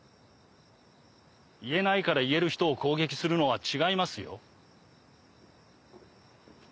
言えないから言える人を攻撃するのは違いますよ。